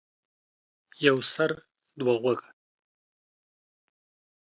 يو سر ،دوه غوږه.